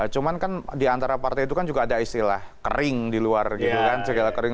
cuman kan diantara partai itu kan juga ada istilah kering di luar gitu kan segala kering